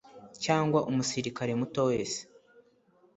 cyangwa umusirikare muto wese